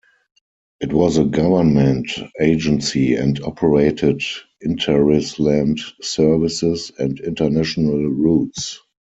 It was a government agency and operated interisland services and international routes.